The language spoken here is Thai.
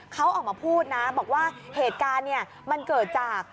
เขาออกมาพูดนะบอกว่าเหตุการณ์เนี่ยมันเกิดจาก